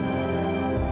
aku mau berjalan